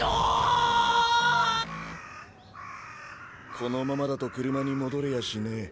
このままだと車に戻れやしねぇ。